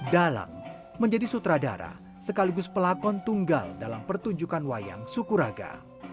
dalang menjadi sutradara sekaligus pelakon tunggal dalam pertunjukan wayang sukuraga